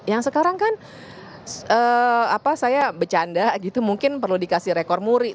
yang sekarang kan saya bercanda gitu mungkin perlu dikasih rekor muri